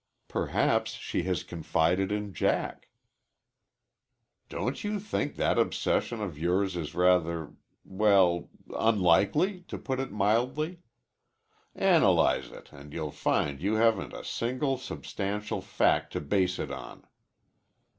"Perhaps she has confided in Jack." "Don't you think that obsession of yours is rather well, unlikely, to put it mildly? Analyze it and you'll find you haven't a single substantial fact to base it on."